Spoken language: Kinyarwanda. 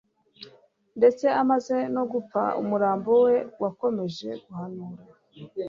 ndetse amaze no gupfa, umurambo we wakomeje guhanura